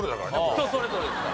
人それぞれですから。